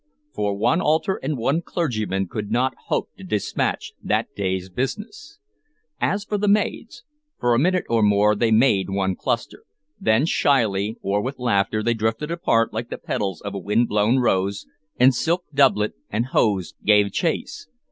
For one altar and one clergyman could not hope to dispatch that day's business. As for the maids, for a minute or more they made one cluster; then, shyly or with laughter, they drifted apart like the petals of a wind blown rose, and silk doublet and hose gave chase.